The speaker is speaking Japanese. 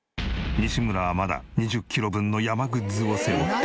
西村はまだ２０キロ分の山グッズを背負っている。